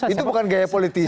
itu bukan gaya politisi